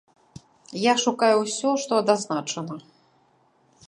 Я шукаю ўсё, што дазначана.